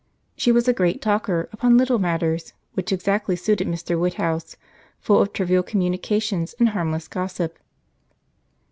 She was a great talker upon little matters, which exactly suited Mr. Woodhouse, full of trivial communications and harmless gossip.